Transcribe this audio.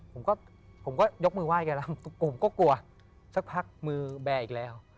ผมก็ผมก็ยกมือไห้แกแล้วผมก็กลัวสักพักมือแบร์อีกแล้ว